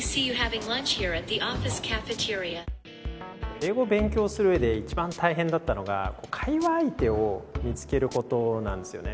英語を勉強する上で一番大変なのが会話相手を見つけることです。